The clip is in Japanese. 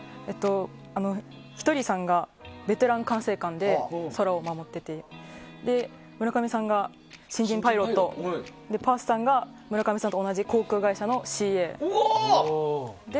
ひとりさんがベテラン管制官で空を守っていて村上さんが新人パイロットでパースさんが村上さんと同じ航空会社のＣＡ。